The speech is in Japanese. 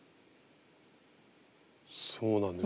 そうなんですよ。